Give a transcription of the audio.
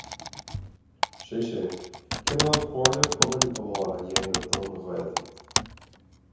Sé sin, cineál comhairle pobail amháin a dhéanamh don Ghaeltacht.